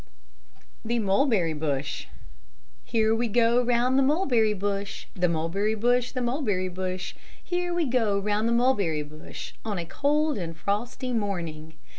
THE MULBERRY BUSH Here we go round the mulberry bush, The mulberry bush, the mulberry bush, Here we go round the mulberry bush. On a cold and frosty morning.